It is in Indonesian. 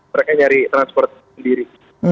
mereka nyari transport sendiri